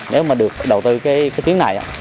nếu mà được đầu tư cái tiến này